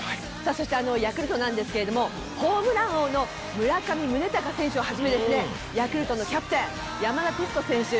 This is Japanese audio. そしてヤクルトなんですけれどもホームラン王の村上宗隆選手をはじめヤクルトのキャプテン山田哲人選手。